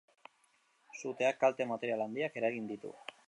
Suteak kalte material handiak eragin ditu.